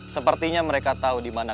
sepertinya mereka tahu dimana